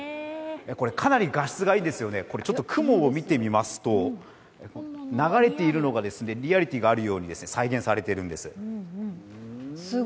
かなり画質がいいですよね、雲を見てみますと流れているのがリアリティーがあるように再現されているんです。